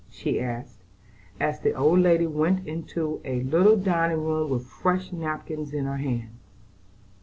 she asked, as the old lady went into a little dining room with fresh napkins in her hand.